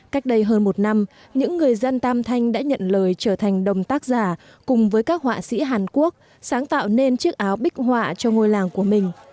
cách đây hơn một năm những người dân tam thanh đã nhận lời trở thành đồng tác giả cùng với các họa sĩ hàn quốc sáng tạo nên chiếc áo bích họa cho ngôi làng của mình